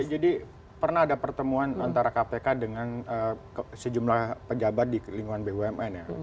jadi pernah ada pertemuan antara kpk dengan sejumlah pejabat di lingkungan bumn